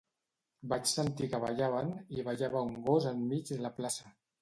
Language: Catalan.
Vaig sentir que ballaven, i ballava un gos enmig la plaça.